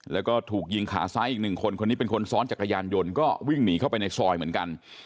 แล้วก็ถูกยิงขาซ้ายอีกหนึ่งคนคนนี้เป็นคนซ้อนจักรยานยนต์ก็วิ่งหนีเข้าไปในซอยเหมือนกัน